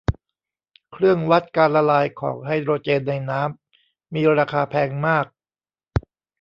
เครื่องวัดการละลายของไฮโดรเจนในน้ำ มีราคาแพงมาก